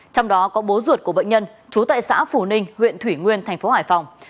trong đó có bố ruột của bệnh nhân chú tại xã phủ ninh huyện thủy nguyên tp hải phòng